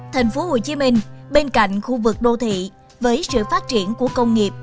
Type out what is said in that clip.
tp hcm bên cạnh khu vực đô thị với sự phát triển của công nghiệp